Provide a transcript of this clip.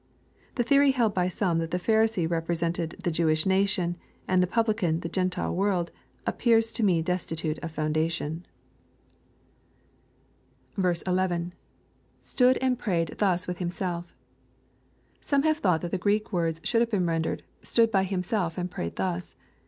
The theory held by some, that the Pharisee represents the Jew ish nation, and the publican the Q entile world, appears to me des titute of foundation. 204 EXPOSITORY THOUGHTS. 11. — [Stood and prayed this with himself.] Some have thought that the Greek words should have been rendered, "stood by himself and prayed thus."